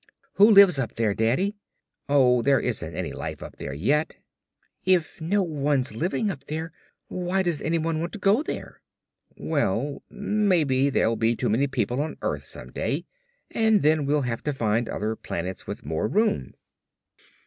"Who lives up there, Daddy?" "Oh, there isn't any life up there yet." "If no one's living up there why does anyone want to go there?" "Well, maybe there'll be too many people on earth someday and then we'll have to find other planets with more room."